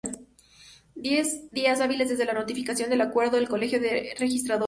Diez días hábiles desde la notificación del Acuerdo del Colegio de Registradores.